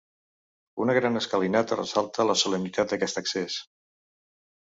Una gran escalinata ressalta la solemnitat d'aquest accés.